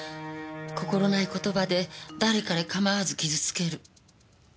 心無い言葉で誰彼かまわず傷つける。